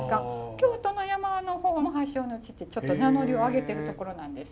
京都の山の方も発祥の地ってちょっと名乗りを上げてるところなんです。